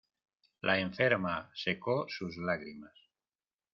La enferma secó sus lágrimas.